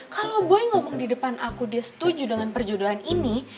kalau boy ngomong di depan aku dia setuju dengan perjodohan ini